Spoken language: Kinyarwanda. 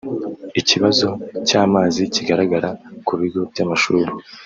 Ikibazo cy’amazi kigarara ku bigo by’amashuri